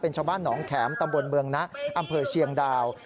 ชาวบ้านหนองแข็มตำบลเมืองนะอำเภอเชียงดาว